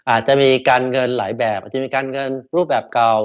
อาจจะมีการเงินหลายแบบอาจจะมีการเงินรูปแบบเก่า